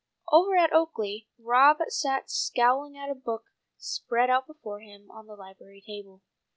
Over at Oaklea, Rob sat scowling at a book spread out before him on the library table.